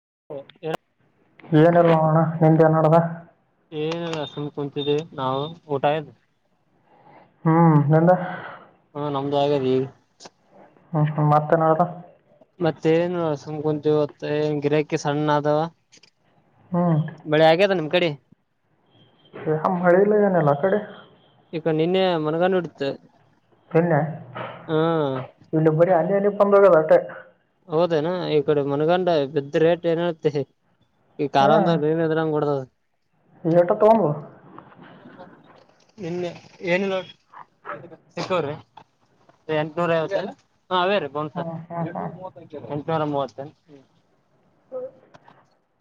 [unintelligible] ಏನಲ್ವಾ ಹೋಣ ನಿನ್ನ್ನಡದ [unintelligible] ಕುಂಚದೆ ನಾವ ಊಟಾಯ ಹ್ಮ್ [unintelligible] ಹ್ಮ ನಮ್ದು ಹಾಗಾದ ಈಗ ಹ್ಞೂ ಹ್ಞೂ ಮತ್ತೆ ನಡ್ದ ಮತ್ತೆ ಏನು ಸುಮ್ ಕುಂತವತ್ತ ಏ ಗಿರಕ್ಕೆ ಸಣ್ಣ ಆದವ ಹ್ಞೂ ಮಳೆ ಆಗ್ಯದ ನಿಮ್ ಕಡೆ ಮಳೆ ಇಲ್ಲ ಏನಲ್ಲ ಆ ಕಡೆ ಈಗ ನಿನ್ನೆ ಮನಗಂಡ ಇಡ್ತ ನ್ನೆ ಇಲ್ಲಬರಿ ಅಲ್ಲಿ ಇ ಪಂದ ಬಟ್ಟೆ ಹೌದೇನಾ ಈ ಕಡೆ ಮನಗಂಡ ಬಿದ್ದ ರೇಟ್ ಏನತ್ತೆ ಈ ಕಾಲಂದ ನೀನ್ ಎದ್ರಂಗ ಕೊಡದ್ [unintelligible] ತೋಬ ನಿನ್ನೆ ಏನಿಲ್ಲೋ ಸಿಕ್ಕವ್ರಿ ಎಂಟನೂರ ಐವತ್ತಲ್ಲ ಹಾ ಬೇರೆ ಬನ್ಸ ಹ್ಞೂ ಹ್ಞೂ ಹ್ಞೂ ಎಂನೂರ ಮೂವತ್ತ ಹ್ಮ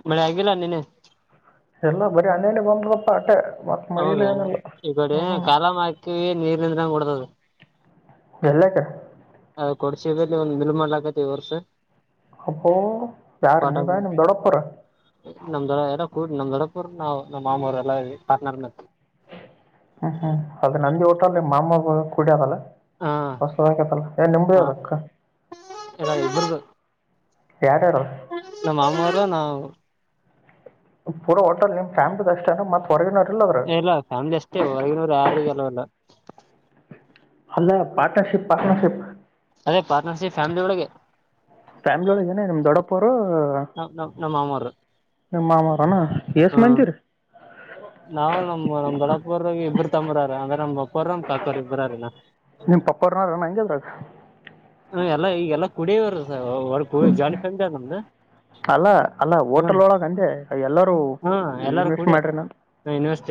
ಮಳೆ ಆಗಿಲ್ಲ ನೆನೆ [unintelligible] ಎಲ್ಲಬ್ ಅನೇ ಬೊಂಡಪ್ಪ ಆಟ್ಟೆ ಹೌದಾ ಈಗಡೆ ಕಾಲ ಮಾಕಿ ನೀರ್ನಂದ್ರ ಹೋಡ್ದದು ಎಲ್ಲಕ್ಕ ಕೊಡ್ಸ [unintelligible] ಮಾಡ್ಲ ಆಕೈತಿವರ್ಸ ಅಪ ಯಾರನ ಬ ನಿಮ್ ಡ್ಡಪೊವ್ರು ಕೂಡ್ ನಮ್ ದೊಡಪುರ್ ನಾವ್ ನಮ್ಮ್ ಮಾಮರು ಎಲ್ಲ ಪಾರ್ಟ್ನರ್ ಹ್ಮ್ ಹ್ಮ್ ಅದೆ ನಂದಿ ಊಟಲ್ ಮಾಮ ಕುಡ್ಯದಲ್ಲ ಹಾ ಹೊಸದಕತಲ್ಲ ನ್ ನಿಂಬುದ ಹ ಅದಕ್ಕ ಎಲ್ಲ ಇಬ್ರದು ನಮ್ಮ ಅಮ್ಮಾರ ನಾ ಪೂರಾಟಲ್ ನಿಮ್ ಫ್ಯಾಮಿಲಿ ಅಷ್ಟೇ ಮತ್ ಹೊರಗಿನ ಎಲ್ಲ ಫ್ಯಾಮಿಲಿ ಅಷ್ಟೇ ಹೊರಗಿನೂರು ಯಾರಗ ಅಲ್ಲಲ್ಲ ಅಲ್ಲ ಪಾಟಾ ಶಿಪ್ ಪಾಟ ಶಿಪ್ ಅದೇ ಪಾರ್ಟ್ನರ್ಶಿಪ್ ಫ್ಯಾಮಿಲಿ ಒಳಗೆ ಫ್ಯಾಮಿಲಿ ಒಳಗೆನೆ ನಮ್ ದೊಡಪ್ಪ ಅವರು ನ ನಮ್ ನಮ್ಮ ಮಾಮರು ನಿಮ್ಮ ಮಾಮರನ ಹ್ಮ ನಾವು ನಮ್ ನಮ್ ದೊಡಪಾವ್ರಿಗೆ ಇಬ್ಬರು ತಮ್ಮರ ಅದ್ರ ನಮ್ ಕೊರ್ರಮ್ ಕಾಕೋರ್ ಇಬ್ಬರಾರಿನ ನಿಮ್ [unintelligible] ಪಪ್ಪ ಅವ್ರನಾರ ಹೆಂಗಗೆದ್ರಗ ಹ ಎಲ್ಲಾ ಈಗಲ್ಲಾ ಕುಡಿಯವರು [unintelligible] ಒ ಜಿ ಫೆಂಮ್ದ ಅಲ್ಲ ಅಲ್ಲ ಹೋಟಲ್ ಒಳಗ ಅಂದೆ ಎಲ್ಲರೂ ಇನ್ವೆಸ್ಟ್ ಮಾಡ್ರಿ ನಾ ಅ ಇನ್ವೆಸ್ಟ್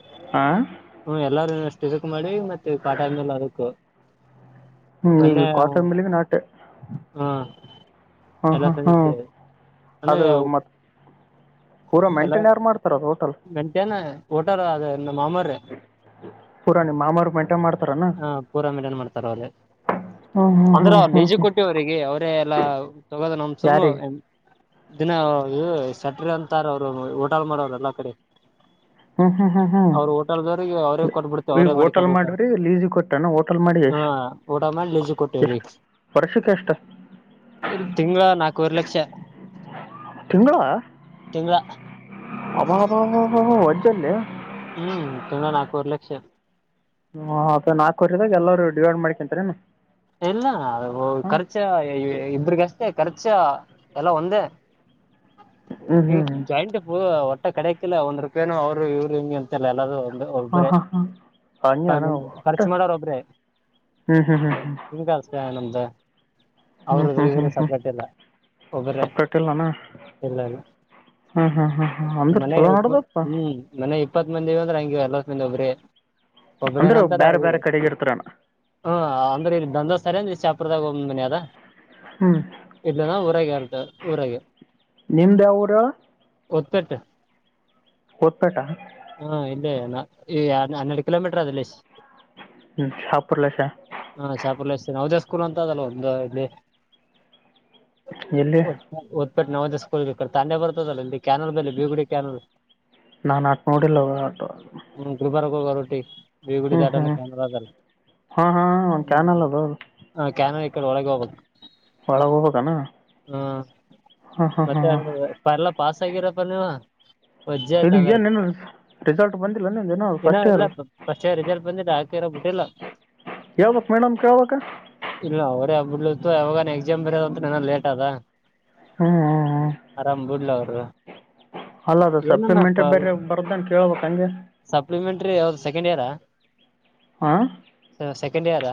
ಹ್ಮ [unintelligible] ಎಲ್ಲಾರೂಷ್ಟ ಇಜಕ್ ಮಾಡಿ ಮತ್ತೆ ಕಾಟ ಆದ್ಮೇಲೆ ಅದಕ್ ಹ್ಮ್ ಈಗ ಕಾಟನ್ ಮೇಲೆಗೆ ನಾಟೆ ಹ್ಮ್ ಹ್ಮ್ ಎಲ್ಲ ಹ್ಮ್ ಹ್ಮ್ ಅಂದ್ರೆ ಅದು ಮತ್ ಪೂರಾ ಮೆಂಟನ್ ಯಾರು ಮಾಡ್ತಾರದು ಮಂಟನ ಓಟಾರ ಅದ ನಮ್ ಮಾಮರು ಪುಾರಾ ನಿಮ್ ಮಾಮರು ಮೇಂಟೈನ್ ಮಾಡ್ [unintelligible] ಹ ಪೂರ ಮೇಲೆ ನ್ ಮಾಡ್ತಾರ ಅವ್ರರು ಹ್ಞೂ ಹ್ಞೂ ಹ್ಞೂ ಅಂದ್ರೆ ಅವ ಹ್ಞೂ ನಿಜ ಹ್ಞೂ ಕೊಟ್ಟಿ ಅವರಿಗೆ ಅವ್ರ ಎ ಎಲ್ಲಾ ತಗೋದ ನಂ ಸಮ್ ಯಾರಿಗೆ ದಿನ ಇ ಸೆಟ್ರಿ ಅಂತಾರ ಅವ್ರು ಹೊಟಾಲ್ ಮಾಡೋವ್ರ ಎಲ್ಲಾ ಕಡೆ ಹ್ಞೂ ಹ್ಞೂ ಹ್ಞೂ ಹ್ಞೂ ಅವ್ರ ಹೋಟಲ್ದವ್ರಿಗೆ ಅವ್ರೇ ಕೊಟ್ಬಿಡ್ತ ಈಗ ಅವರೇ ಹೋಟೆಲ್ ಮಾಡ್ಕೊಂಡು ಹೋಗತಾರ ಮಾಡಿರಿ ಲೀಸಿಗೆ ಕೊಟ್ಟೆನ ಹೋಟೆಲ್ ಮಾಡಿ ಹಾ ಎಷ್ಟು ಊಟ ಮಾಡ [unintelligible] ಲಜು ಕೊಟ್ಟ ಎಷ್ಟು ರರಿಕ್ಷ ವರ್ಷಕ್ಕೆ ಎಷ್ಟು ಇಲ್ ತಿಂಗ್ಲಾ ನಾಕುವರ್ ಲಕ್ಷ ತಿಂಗ್ಲ ತಿಂಗಳ ಅಬ ಅಬ ಅಬ ಅಬ ಹೋಡ್ದೇಲ್ಲೆ ಹ್ಮ್ ತಿಂಗ್ಲ ನಾಲ್ಕೂವರೆ ಲಕ್ಷ ಹ ನಾಕ್ ವರ್ಷದಾಗ ಎಲ್ಲರು ಡಿವೈಡ್ ಮಾಡ್ಕೊಂತೆರೆನು ಇಲ್ಲ ಖರ್ಚ ಇಬ್ರಗಷ್ಟೇ ಖರ್ಚ ಚ ಎಲ್ಲ ಒಂದೇ ಹ್ಞೂ ಹ್ಞೂ ಇನ್ ಹ್ಞೂ ಜಾಯಿಂಟ್ ಪು ಕರೆಕಿಲ್ಲ ಒಂದ್ ರೂಪಾಯಿನು ಅವರು ಇವರು ಹಿಂಗೆ ಅಂತ ಎಲ್ಲದು ಹಾಂ ಒಬ್ಬ್ರೆ ಹಾಂ ಹಾಂ ಖರ್ಚು [unintelligible] ಮಾಡೋರು ಒಬ್ರೆ ಹ್ಮ್ ಹ್ಮ್ ಹ್ಮ್ ಹ್ಮ [unintelligible] ನಮ್ದ ಅವರು ಹ್ಞೂ ಇವರು ಹ್ಞೂ ಸಪ್ರೇಟ್ ಇಲ್ಲ ಒಬರೇ ಸಪ್ರೇಟ್ ಇಲ್ಲ ಅಣ್ಣ ಇಲ್ಲ ಇಲ್ಲ ಹ್ಞೂ ಹ್ಞೂ ಹ್ಞೂ ಹ್ಞೂ ಅಂದ್ರೆ ಮನೆ ಚಲೋ ಇ ನೋಡ್ದಪ್ಪ ಹ್ಮ್ ಮನೆ ಇಪ್ಪತ್ ಮಂದಿಂದ್ರೆ ಹಂಗೆ ನಿ ಒಬ್ರ ಒಬ್ರೇ ಅಂದ್ರೆ ನಂತರ ಬೇರೆ ಅವು ಬೇರೆ ಕಡೆಗೆ ಇರ್ತಾರಣ್ಣ ಹ ಅಂದ್ರ ಇ ಒಂದ್ ಸರಿ ಇ ಚಾಪ್ರದಾಗ [unintelligible] ಒ್ ಮನಿ ಅದ ಹ್ಞೂ ಇದ್ದಾನ ಊರಾಗ ಅಂತ್ ಊರಗೆ ನಿಮ್ದ್ ಯಾವುರು [unintelligible] ಒಪೆಟ್ಟ ಹಾ ಇೇ ನಾ ಈ ಹನ್ ಹನ್ನೆರಡು ಕಿಲೋಮೀಟರ್ ಅದ ಸ್ ಹ್ಮ ಸಾಪಡಲ ಸ ದ ಸ್ಕೂಲ್ ಅಂತಲ್ಲ ಒಂದು ಇಲ್ಲಿ ಎಲ್ಲಿ [unintelligible] [unintelligible] ನವದ ಸ್ಕ ತಂದೆ ಬರ್ತದಲ್ಲ ಇಲ್ಲಿ ಕ್ಯಾನಲ್ ಬೆೇ ಬೀಗುಡಿ ಕ್ಯಾನಲ್ [unintelligible] ನ ನಟ ನೋಡಿ ಲ ಆಟ [unintelligible] ಹ ಗ ಟಿ ಹ್ಮ್ ಹ್ಮ್ ಹಾ ಹಾ [unintelligible] ಚನ್ಲ್ಲದೌದು ಕ್ಯನ ಈ [unintelligible] ಕಡೆ ಒಳಗೆ ಹೋಗಬೇಕು ಒಳಹೋಗುದೆನಾ [unintelligible] ಇದು ವಜ್ಜಾಯ್ತಮೇ್ರ ಏನೇನು ರಿಸಲ್ಟ್ ಬಂದಿಲ್ಲ ನಿಂದೇನು ಇನ್ನೋ ಫಸ್ಟ್ ಇಯರ್ ಇಲ್ಲ ಫಸ್ಟ್ ರಿಸಲ್ಟ್ ಬಂದಿದ್ದ [unintelligible] ರಬ ಬಿಟ್ಟೆಲ್ಲ ಕೇಳ್ಬೇಕು ಮೇಡಮ್ ಕೇಳ್ಬೇಕು ಇಲ್ಲ ಅವ್ರೆ ಬಿಡ್ಲತ್ತು ಯಾವಾಗ ಎಕ್ಸಾಮ್ ಬರೋದಂತ ಏನ ಲೇಟ್ ಅದ ಹ್ಞೂ ಆರಾಮ್ ಬಿಡ್ಲ ಅವ ಹ ಅಲ್ಲ ಅದು ಏನಪ್ಪ ಸಪ್ಲಿಮೆಂಟ್ ಬೇರೆ ಬರ್ದಾನ ಕೇಳ್ಬೇಕು ಹಂಗೆ ಸಪ್ಲಿಮೆಂಟ್ರಿ ಅವ ಸೆಕೆಂಡ್ ಇಯರಾ ಹಾಂ ಸೆಕೆಂಡ್ ಇಯರಾ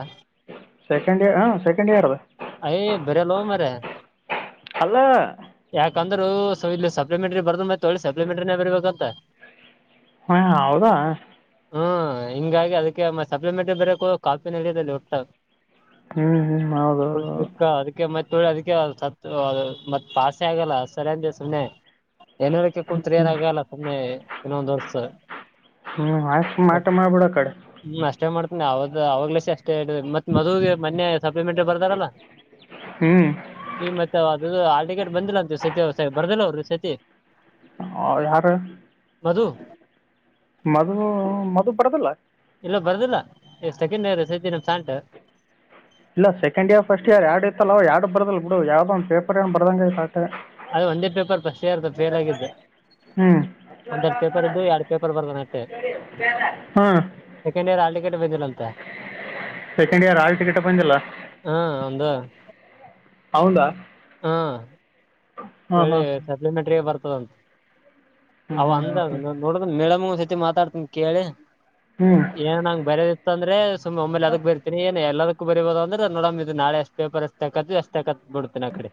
ಸೆಕೆಂಡ್ ಇಯರ್ ಹ ಸೆಕೆಂಡ್ ಇಯರ್ ಬರಲ್ಲ ಹ ಮ್ರ ಯಾಕಂದ್ರೂ ಸ ಇ [unintelligible] ಸಪ್ಲಿಮೆಟ್ರಿ ಬರ್ದ ಮತ್ತೆ ತಳಿ ಸಪ್ಲಿಮೆಂಟ್ರೇ ಬರ್ಬೇಕಂತ ಹ ಹ ಹೌದಾ ಹ್ಮ್ ಹಿಂಗಾಗಿ ಅದಕ್ಕೆ ಮ ಸಪ್ಲಿಮೆಂಟ್ರಿ ಬರು ಕಾಫಿನ ನಡಲ್ಲಿ ಹುಟ್ಟ ಹ್ಞೂ ಹ್ಞೂ ಹೌದು ಹೌದು ಹೌದು. ಹಷಕ್ಕ ಅದಕ್ಕೆ ಮ ಅದಕ್ಕೆ ಸ ಮತ್ ಪಾಸೆ ಆಗಲ್ಲ ಸರಿಯ ಅಂತ ಸುಮ್ಮನೆ ಏನಕ್ಕೆ ಹ್ಞೂ ಕುಂತ್ರಿಯದಾಗಲ್ಲ ಸುಮ್ಮ್ನೆ ಇನ್ನೊಂದ್ ವರ್ಸ ಹ್ಞೂ ಆಯ್ತು ಮಾಟ ಮಾಡಿಬಿಡ ಕಡೆ ಹ್ಮ ಅಷ್ಟೇ ಮಾಡ್ತೀನಿ ಅವದು ಅವಾಗ್ಲಸ ಅಷ್ಟ ಮ ಮತ್ತೆ ಮದುವಗೆ ಮೊನ್ನೆ ಸಪ್ಲಿಮೆಂಟ ಬರ್ತಾರಲ್ಲ ಹ್ಞೂ ಈಗ ಮತ್ತೆ ಅದು ಹಾಲ್ ಟಿಕೆಟ್ ಬಂದಿಲ್ಲ ಅಂತ ಸತಿ ಬರ್ದಿಲ್ಲ ಅವರು ಸತಿ ಹ ಯಾರ ಮಧು ಮದ್ು ಮದ್ ಬರದಿಲ್ಲ ಇಲ್ಲ ಬರ್ದಿಲ್ಲ ಎಷ್ಟ ಸೆಕೆಂಡಿಯರ್ ಸತ ಸಂಟ ಇಲ್ಲ ಸೆಕಂಡ್ ಇಯರ್ ಫಸ್ಟ್ ಇಯರ್ ಯರಡ್ ಇತ್ತ ಅ ಅವ ಯಡುಡ್ ಬರ್ದಲ್ ಬಿಡು ಯಾವ್ದ ಒಂದ ಪೇಪರ್ ಏ ಬದಂಗ ಅದ ಒಂದೇ ಪೇಪರ್ ಫಸ್ಟ್ ಇಯರ್ ಫೇಲ್ ಆಗಿದ್ದು ಹ್ಞೂ ಒಂದ್ೆರಡು ಪೇಪರ್ ಇದ್ದು ಎರಡು ಪೇಪರ್ ಬರ್ದಾನತ್ತೆ ಹಾಂ ಸೆಕೆಂಡ್ ಇಯರ್ ಹ ಂತ ಸೆಕೆಂಡ್ ಇಯರ್ ಆಲ್ ಟಿಕೆಟ್ ಬಂದಿಲ್ಲ ಹಾ ಒಂದು ಹೌದಾ ಹಾ ಹಾಂ ಒಳ್ಳೆ ಹಾಂ ಸಪ್ಲಿಮೆಂಟರಿ ಬರ್ತದಂತ ಹ್ಞೂ ಅವ ಹ್ಞೂ ಹ್ಞೂ ಅಂದ ನೋಡ ಮೇಡಮ ಸತಿ ಮಾತಾಡ್ತನ್ಿ ಕೇಳಿ ಹ್ಞೂ ಏನ್ ನಂಗ್ ಬರ್ಯದಿತ್ತು ಅಂದ್ರೆ ಸುಮ್ಮ್ ಒಮ್ಮೇಲೆ ಅದಕ್ ಬರ್ತೀನಿ ಏನ್ ಎಲ್ಲದ ಬರಿೀಬೋದು ಅಂದ್ರೆ ನೋಡಮ ಇದು ನಾಳೆಷ್ಟ ಪೇಪರ್ ಎಷ್ಟ ತಕ ಎಷ್ಟು ತಾಕತ್ ಬಿಡ್ತಿನ ಆ ಕಡೆ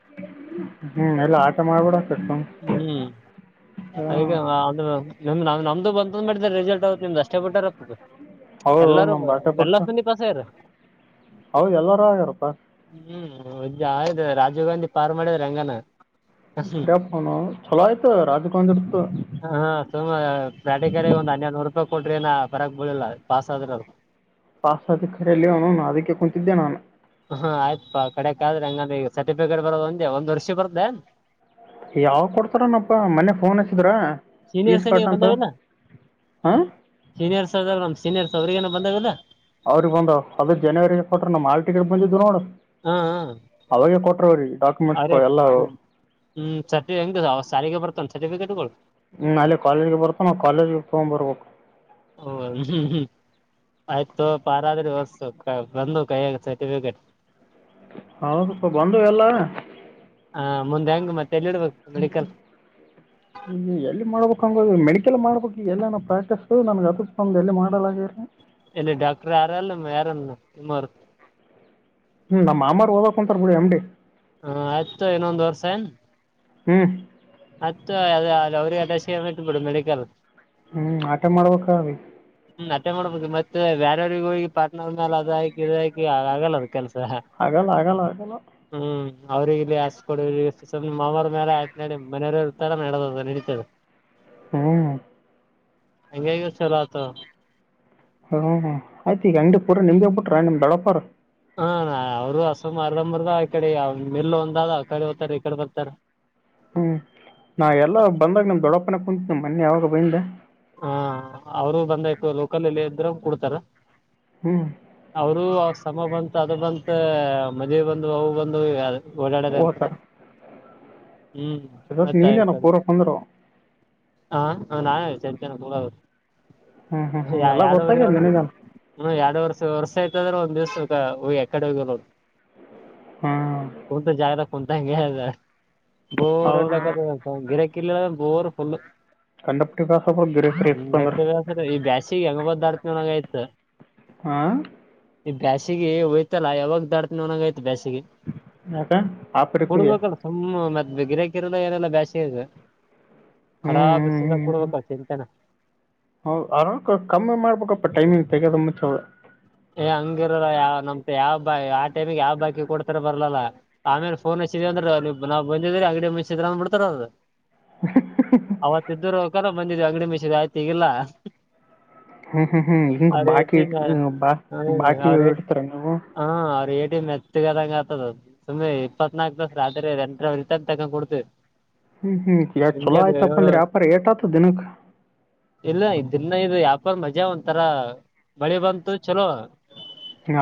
ಹ್ಞೂ ಹ್ಞೂ ಎಲ್ಲ ಆಟ ಮಾಡ್ಬಿಡಾಕೆ ಸುಮ್ ಹ್ಮ್ ಹಾಂ ಅಡಿಕ್ಕೇನ್ ಅದು ನಮ್ ನ್ಮ್ದು ಬಂದ್ ಮಾಡಿದೆ ರಿಸಲ್ಟ್ ಅವತ್ ನಿಮ್ ಅಷ್ಟೇ ಬಿಟ್ಟರತದೆ ಹೌದು ಎಲ್ಲಾರೂ ನಮ್ಮ ಭಾಷೆ ಪುಟ್ರು ಬೆಲ್ಲತನೀ ಪಸಾರ ಹೌದು ಎಲ್ಲರೂ ಆಗ್ಯಾರಪ್ಪ ಹ್ಮ್ ಜಾಯ ರಾಜೀವ್ ಗಾಂಧಿ ಪಾರ್ ಮಾಡಿದ್ರೆ ಅಂಗನ ರೋನು ಚಲೋ ಆಯ್ತ ರಾಜೀವ್ ಗಾಂಧಿ ಹಾ ಸು ಬ್ಯಾಟಿಕಾರಿ ಒಂದ ಹನ್ನರ್ನೂರು ರೂಪಾಯಿ ಕೊಟ್ರ ಏ ಪರಕ್ ಬ ಬಿಳಿಲ್ಲ ಪಾಸ್ ಆದ್ರ ಅವರು ಪಾಸತಿ ಕಖರೆಯಲ್ಲಿ ಅದಕ್ಕೆ ಕುಂತಿದ್ದೆ ನಾನು ಯ್ರೆ ಹಂಗಂದ್ರ ಈ ಸರ್ಟಿಫಿಕೇಟ್ ಬರದ ಒಂದ ಒಂದ್ ವರ್ಷ ಬರ್ದ ಯಾವ ಕೊಡ್ತಾರನಪ್ಪ ಮನೆ ಫೋನ್ ಹಚ್ಚಿದ್ರ ೀಸ್ ಕಟ್ ಅಂತ ಹಾಂ ಸೀನಿಯರ್ಸ್ ಹೌದರ್ ನಾಮ್ ಸೀನಿಯರ್ಸ್ ಅವ್ರಗ ಏನ ಬಂದಾಗದ ಅವ್ರ ಬಂದ್ ಅದೇ ಜನವರಿರಗೆ ಕೊಟ್ರ ನ ಮಾಲ್ ಟಿಕೆಟ್ ಬಂದಿದ್ದು ನೋಡು ಹಾ ಹಾ ಅವಾಗೇ ಕೊಟ್ಟರು ಅವ್ರಿಗೆ ಡಾಕ್ಯುಮೆಂಟ್ಸ್ಗಳು ಎಲ್ಲವು [unintelligible] ಹ ಅಲ್ಲಿೆ ಕಾಲೇಜ್ಗೆ ಬರ್ತು ನಾವು ಕಾಲೇಜಿಗೆ ತಗೊಂಡ್ ಬರ್ಬೇಕು ಹ ಹ್ಮ್ ಹ್ಮ್ ಆಯ್ತು ಪಾರಾದ್ರಿ ವರ್ಸ್ತು ಬಂದು ಕೈಯ ಸರ್ಟಿಫಿಕೇಟ್ ಹೌ ಸ್ಪ ಬಂದು ಎಲ್ಲ ಹಾ ಮುಂದೆ ಹೆಂಗ್ ಮತ್ತೆ ಎಲ್ಲಿ ಇಡ್ಬೇಕು ಹ್ಮ ಮೆಡಿಕಲ್ ನೀ ಎಲ್ಲಿ ಮಾಡಬೇಕ ಹ ಮೆಡಿಕಲ್ ಮಾಡಬೇಕು ಎಲ್ಲ ಪ್ರಾಕ್ಿಸ ನನ್ ಅದು ಎಲ್ಲಿ ಮಾಡಲೆ ಇಮಾರ [unintelligible] ಹ್ಮ್ ನಮ್ಮ ಮಾಮ್ಮ ಓದಕ್ ಕುಂತಾರ ಬಿಡಿ ಅಂಬಡಿ ಹ ಆಯ್ತು ಇನ್ನೊಂದ್ ವರ್ಷ ಹ್ಮ್ ಮತ್ತೆ ಅದ ಅ ಅವ್ರಿಗೆ ಎಲ್ಲ ಶೇ ಇಟ್ ಬಿಡು ಮೆಡಿಕಲ್ ಹ್ಮ್ ಆಟೇ ಮಾಡ್ಬೇಕೀ ಅವ್ರಿ ಹ್ಮ ಮ ಅತ್ತೆ ಮಾಡ್ಬೇಕು ಮತ್ತೆ ಬೇರವ್ರಗ ಹೋಗಿ ಪಾರಟ್ನರ್ ಮಾಲ ಅದ ಆಕಿ ಇದ್ ಆಕಿ ಆಗಲ್ಲ ಅದ ಕೆಲ್ಸ ಹಾಗಗಲ್ಲ ಆಗಲ್ಲ ಆಗಲ್ಲ [unintelligible] ಮನೆಯವರ ತರ ಮಾಡೋದು ನಡೀತದ ಹ್ಮ್ ಹಂಗೆಯಾಗೆ ಚಲತ ಹ್ಮ ಆಯ್ತು ಈಗ ಅಂಗಡಿ ಪೂರ ನಿಮ್ಗೆ ಬಿಟ್ರ ನಿಮ್ ದಡಪರ್ ಹಾ ಅವರು ಹಸ ಮರ್ದ ಮರ್ದ ಈಕಡೆ ಮಲ್ ಒಂದ ಅದ ಆ ಕಡೆ ಹೋಗತಾರ ಈ ಕಡೆ ಬರ್ತಾರ ಹ್ಮ್ ನಾ ಎಲ್ಲ ಬಂದಾಗ ನಮ್ ದೊಡ್ಡಪ್ಪನ ಕುಂತ್ ಮೊ ಯಾವಾಗ ಬೈಂದೆ ಹಾ ಅವರು ಬಂದಾಯತು ಲೋಕಲ್ ಎಲ್ಲಿ ಇದ್ರ ಕುಡ್ತಾರ ಹ್ಮ್ ಅವರು ಆ ಸಮ ಬಂತ ಅದು ಬಂತ ಮದಿವಿ ಬಂದ್ ಅವು ಬಂದ ಅ ಓಡಾಡದ ಓ ಇರ್ತದ ಸರ್ [unintelligible] [unintelligible] ಎರಡು ಹ್ಞೂ ಹ್ಞೂ ಹ್ಞೂ ಎಲ್ಲ ವರಿ ಗೊತ್ತಾಗ್ಯದ ನಿನಗೇನು ಹ ಎರಡ ವರ್ಷ ವರ್ಷ ಆಯ್ತು ಹ್ಞೂ [unintelligible] ಕುಂತಂಗೆ ಅದ ಬೋರ್ ಹೌದು ಇಡ್ಲಕ್ಕ ಗಿರಕಿಲ್ ಬೋರ್ ಫುಲ್ ಕಂಡಪಟ್ಟಿಬಾ [unintelligible] ಈ ಬ್ಯಾಸಿಗೆ ಹಾಂ ಹೊಯ್ತಲ್ಲ ಯಾವಾಗ ದಾಡ್ತನ ಒನಗೈತಿ ಬೇಸಿಗೆ ಯಾಕ ಆಪರಿಕುದಿಯಾ ಕೋಡ್ಬೇಕಲ್ಲ ಫುಲ್ ಮತ್ ಒಂದು ಗಿರೆಕಿರೆಲ್ಲ ಏನಿಲ್ಲ ಬ್ಯಾಸಿಗ್ಯಾಗ ಖಡಾ ಹ್ಮ್ ಬಿಸಿಲ್ಲ ಕೊಡ್ಬೇಕ ಚೆಂತೆನ ಹೌದ ಆರಾಮ ಕಮ್ಮಿ ಮಾಡ್ಬೇಕಪ್ಪ ಟೈಮಿಂಗ್ ತೆಗದ ಮುಚ್ಚದು ಏ ಹಂಗಿರಲ್ಲ ಯಾವ ನಮ್ತ್ ಯಾವ ಆ ಟೈಮಿಗೆ ಯಾವ್ ಬಾಕಿ ಕೊಡ್ತಾರ ಬರ್ಲಲ್ಲಾ ಆಮೇಲೆ ಫೋನ್ ಮ ಅಂದ್ರ ನಾವ್ ಬಂದಿದ್ರೆ ಅಂಗಡಿ ಮತ್ರ್ ಬಿಡ್ತಾರ ಅವರು ಅವತ್ತಿದರು ಕರ ಬಂದಿದ್ವಿ ಅಂಗಡಿ ಮೆಸಿದ ಆಯ್ತಿ ಈಗಿಲ್ಲ ಹ್ಮ್ ಹ್ಮ್ ಹ್ಮ್ ಹಿಂಗ ಅವ್ರ ಬಾಕಿ ಏಟಿನ್ ಇ ಹ್ಮ್ ಬಾಕಿ ಅವ್ರ ಏ ಇಡ್ತರ ನೀವು ಹಾ ಅವ್ರ ಟ ಎತ್ ತಗದಂಗ ಆತದ ಸುಮ್ಮಿ ಇಪ್ಪತ್ನಾಕಕ್ ತಾಸ್ ರತ್ರಿ ಎಂಟರತ ತಗೊಂಡ್ ಕೊಡ್ತಿವಿ ಹ್ಮ್ ಹ್ಮ್ ಯ ಚಲೋ ಆಯ್ತಪ್ಪ ಅಂದ್ರೆ ಯ್ಯಾಪಾರ ಏಟ್ ಆತ ದಿನಕ್ ಇಲ್ಲ ಇದನ್ನ ಇದು ಯಾಪಂದ ಮಜಾ ಒಂತರ ಮಳಿ ಬಂತು ಚಲೋ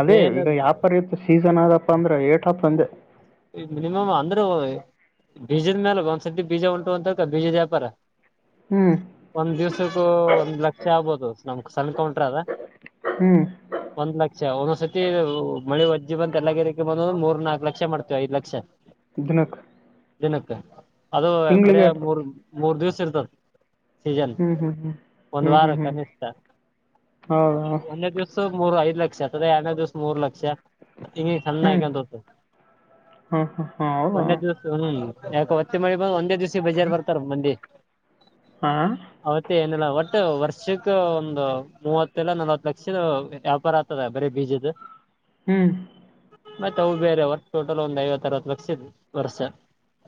ಅದೇ ಮೇನ್ ಈಗ ಯಪಾರ ಇತಿ ಸೀಸನ್ ಆದದಪ್ಪ ಅಂದ್ರೆ ಏಟ್ಪ್ಂದೆ ಈ ಮಿನಿಮಮ್ ಅಂದ್ರೂ ಬೀಜದ ಮೇಾಲಾಗ ಒಂದ್ಸರ್ತಿ ಬೀಜ ಉಂಟು ಅಂತಕ ಬೀಜದ ವ್ಯಾಪಾರ ಹ್ಮ್ ಒಂದ್ ದಿವ್ಸಕ್ಕೂ ಒಂದ್ ಲಕ್ಷ ಆಗ್ಬೋದು ನಮ್ಕ್ ಸಣ ಕೌಂಟ್ರ ಅದ ಹ್ಮ್ ಒಂದ್ ಲಕ್ಷ ಒಂದೊಂದ್ಸತಿ ಮಳೆ ಜಿ ಬಂತ ಎಲ್ಲಗೇರಿರಿಗೆ ಬಂದ್ ಮೂರ್ ನಾಕಕ್ ಲಕ್ಷ ಮಾಡವಿ ಐದ ಲಕ್ಷ ಅಧನಕ್ ದಿನಕ್ಕ ಅದು ಬರ ಮೂರ್ ಮೂರ್ ದಿವ್ಸ ಇರ್ತದ ಸೀಜನ್ ಹ್ಮ್ ಹ್ಮ್ ಹ್ಮ್ ಒಂದ್ ಹ್ಮ್ ವಾರ ಹ್ಮ್ ಹ್ಮ್ ಕನಿಷ್ಠ ಹೌದಾ ಒಂದೇ ದಿವ್ಸ ಮೂರು ಐದು ಲಕ್ಷ ಅದ ಎರನೇ ದಿವ್ಸ ಮೂರ್ ಲಕ್ಷ ಹಿ ಸಣ್ಣ ಆಯಕಂತ ಹತ ಹ್ಮ ಹಾ ಹೌದ ಹ್ಮ ಯಾಕ ಹೊತ್ತೆ ಮಿ ಬಂದ ಒಂದೇ ದಿವ್ಸ ಬಜಾರ್ ಬರ್ತಾರ ಮಂದಿ ಹಾ ಅವತ್ತೇ ಏನೆಲ್ಲ ಹೊ ಮತ್ತೆ ವರ್ಷಕ್ಕ ಒಂದು ಮೂವತ್ತಲ್ಲ ನಲ್ವತ್ತು ಲಕ್ಷದ ವ್ಯಾಪಾರ ಆಗ್ತದೆ ಬರೀ ಬೀಜ್ದ ಹ್ಮ್ ಮತ್ತೆ ಅವು ಬೇರೆ ಅವರ್ ಟೋಟಲ್ ಒಂದ್ ಐವತ್ತ ಅರವತ್ತು ಲಕ್ಷ ಇ ವರ್ಷ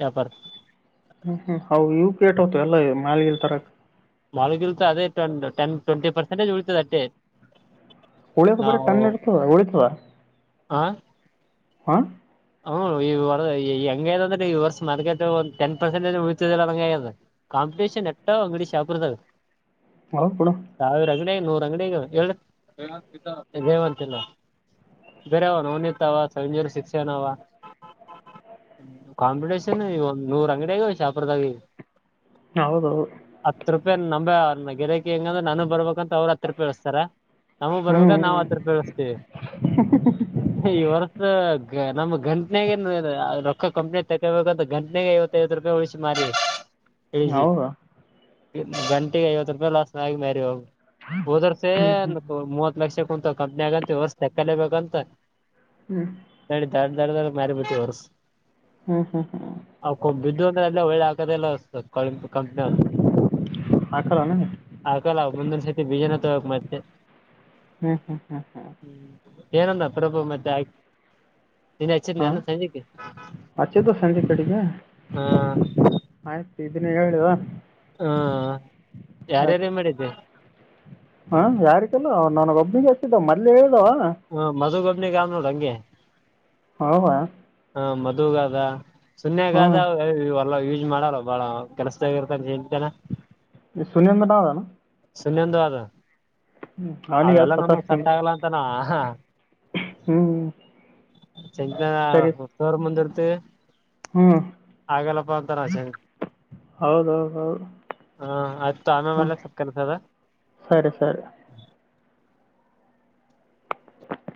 ವ್ಯಾಪಾರ ಹ್ಮ್ ಹ್ಮ್ ಹವು ಇವು ಕೇಟ್ ಹತ ಎಲ್ಲ ಮಾಲಿಗಲ್ ತರಕ್ ಮೊಗಲ್ತ ಅದೇ ಟೆನ್ ಟ್ವೆಂಟಿ ಪರ್ಸೆಂಟೇಜ್ ಉಳ್ತದ ಅಟ್ಟೆ ಉಳಿತ ಬರ ಟಣ್ಣ ಇರ್ತವ ಉಳಿತುವ ಆ ಹಾ ಹ್ಮ ಈ ಈ ಹಂಗದಂದ್ರೆ ಈ ವರ್ಷ ಮಾರ್ಕೆಟ್ ಒಂದು ಟೆನ್ ಪರ್ಸೆಂಟಜ್ ಉಳತದಿಲ್ಲಂಗದ ಕಾಂಪಿಟನ್ ಎ ಅಂಗಡಿ ಶಾಪ ಹೌದು ಬಿಡು ಸಾವಿರ ಅಂಗಡಿಗ ಜಯವಂತಲ್ಲ ಬೇರ ಅವ ನಿನ್ ತಾವ ಸಂಜರು ಶಿಕ್ಷೆನವ ಕಾಂಪಿಟೇಷನ್ ಒಂದ್ ನೂರ್ ಅಂಗಡಿಯಗ ಶಾಪ್ರದಾಗ ಹೌದೌದು ಹತ್ತು ರೂಪಾಯಿ ನಂಬನ್ನಗೆರೆ ಹೆಂಗಂದ್ರೆ ನಾನು ಬರ್ಬೇಕಂತ ಅವ್ರರು ಹತ್ರ ರೂಪಾಯಿ ಎಳಸ್ತಾರ ನಮಗಗ್ ಬರ್ಬೇಕಂದ ನಾವು ಹ್ಮ್ ಹತ್ರೂಪಿ ಎಳಿಸಸ್ತೀವಿ ಹ್ಮ್ ಈ ವರ್ಷ ನಮ್ ಗಂಟನೆಗ ರೊಕ್ಕ ಕಂಪ್ನಿ ತಗೋಬೇಕಂತ ಗಂಟನೆ ಐವತ್ತೈವತ್ತು ರೂಪಾಯಿ ಉಳಿಸಿ ಮಾರಿ ಇಳಿಸಿ ಹೌದಾ ಗಂಟೆಗೆ ಐವತ್ತು ರೂಪಾಯಿ ಲಾಸ್ ಆಗಿ ಮರಿ ಹೋಗ ಹೋದರ್ಸೆ ಹ್ಮ್ ಅ ಹ್ಮ್ ಮೂವತ್ ಲಕ್ಷ ಕುಂತ ಕಂಪ್ನಿ ಆಗಂತ ವ್ಯಸ್ ತಕ್ಕಲೇಬೇಕಂತ ಹ್ಮ್ ನ ದಡ್ ದಡ ದ ಮಾರಿ ಬಿಟ್ಟು ಹೊರ್ಸಕ ಹ್ಮ್ ಹ್ಮ್ ಹ್ಮ್ ಬಿದ್ದು ಅಂದ್ರ ಇ ವೇ ಆಗ್ಕದಲ್ಲ ಕಂಗ ಕಂಪನ ಹಾಕಲ್ಲನ ಆಕಲ್ಲ ಮುಂದೊಂದ್ ಸತಿ ಬಿಜನ ತಗಕ್ ಮತ್ತೆ ಹ್ಮ್ ಹ್ಮ್ ಹ್ಮ್ ಹ್ಮ್ ಏನಂದ ಪ್ರಭ ಮತ್ತೆ ಆ ಹಾ ಅಚೆದು ಸಂಜೆ ಕಡಿಗೆ ಹ ಆಯ್ ಇದನ್ನ ಹೇಳುವ ಹಾ ಯಾರ್ಯಾರ ಮಾಡಿದ್ವಿ ಹಾ ಯಾರಿಕಲ್ಲ ಅವ ನನಗ ಒಬ್ಬಿಗೆ ಅಷ್ಟಿದ್ದ ಮಲ್ಲೆ ಹ್ಮ ಮಧುಗಬನಿ ಗಾಮ್ ನೋಡಂಗೆ ಆರಾಮ ಮದುವಗಾದ ಸುನ್ಯಗಾದ ಹ್ಮ್ ಎಲ್ಲ ಯೂಸ್ ಮಾಡಲ್ಲ ಬಾಳ ಕೆಲ್ಸದಾಗಿರ್ತಾನಏನ್ ಸನ ಬಟಾವದಾನ ಸುಮ್ಮಂದು ಅದು ಅವನಿಗೆ ಅವೆಲ್ಲ ನಮಗ್ ಸಟ್ ಸತಾಯಿಸ್ತೀನಿ ಆಗಲ್ಲ ಅಂತನ ಹ್ಮ್ ಚೆಂಗ ಸರಿ ತೋರ್ ಮುಂದಿ ಇರ್ತ ಹ್ಮ್ ಆಗಲ್ಲಪ್ಪ ಅತರಚ ಹೌದೌದೌದು ಹಾ ಆತ ಆಮೆ ಹಾಂ ಮಲೆ ಸಕ್ಕಸದ ಸರಿ ಸರಿ